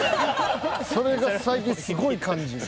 それが最近すごい感じる。